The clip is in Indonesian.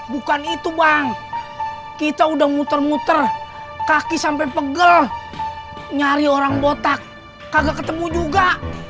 bukan itu bang kita udah muter muter kaki sampai pegel nyari orang botak kagak ketemu juga